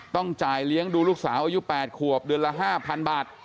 ต้องจ่ายเลี้ยงดูลูกสาวอายุ๘ขวบเดือนละ๕๐๐๐บาท